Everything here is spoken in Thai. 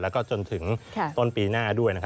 แล้วก็จนถึงต้นปีหน้าด้วย